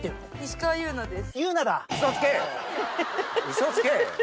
嘘つけ！